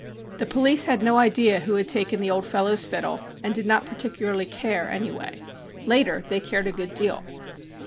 The police had no idea who had taken the old fellow's fiddle, and did not particularly care anyway. Later they cared a good deal.